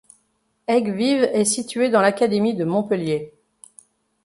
Aigues-Vives est située dans l'académie de Montpellier.